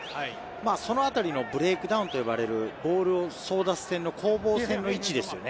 そのあたりのブレイクダウンと呼ばれるボールを争奪戦の攻防戦の位置ですよね。